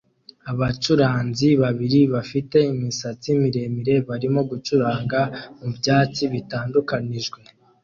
Abacuranzi babiri bafite imisatsi miremire barimo gucuranga mu byatsi bitandukanijwe